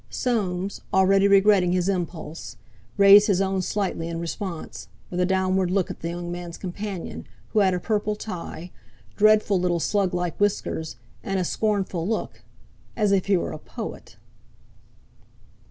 Soames, already regretting his impulse, raised his own slightly in response, with a downward look at the young man's companion, who had a purple tie, dreadful little sluglike whiskers, and a scornful look—as if he were a poet!